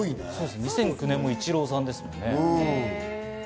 ２００９年もイチローさんですしね。